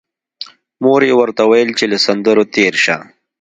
مور یې ورته ویل چې له سندرو تېر شه